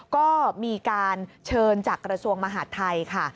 ก็มีการเชิญจากกระทรวงมหาดไทยค่ะ